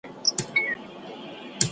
یوازې په عبادت او اطاعت.